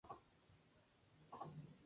Esta familia provenía de Buenaventura.